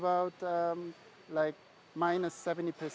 beritahukan kami sedikit tentang permintaan untuk mobil axo ini